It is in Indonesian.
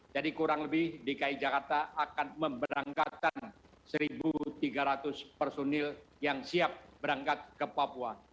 jadi kurang lebih dki jakarta akan memberangkatkan seribu tiga ratus personil yang siap berangkat ke papua